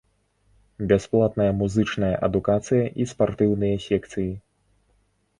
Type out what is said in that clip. Бясплатная музычная адукацыя і спартыўныя секцыі.